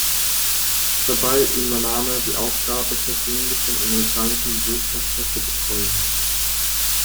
Dabei übernahm er die Aufgabe, persönlich den amerikanischen Botschafter zu betreuen.